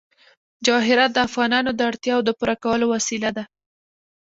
جواهرات د افغانانو د اړتیاوو د پوره کولو وسیله ده.